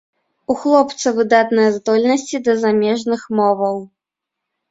У хлопца выдатныя здольнасці да замежных моваў.